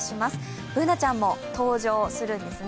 Ｂｏｏｎａちゃんも登場するんですね